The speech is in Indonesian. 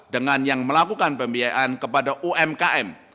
dengan yang melakukan pembiayaan kepada umkm